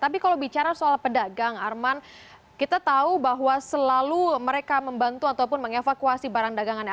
tapi kalau bicara soal pedagang arman kita tahu bahwa selalu mereka membantu ataupun mengevakuasi barang dagangannya